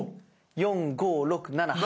４５６７８！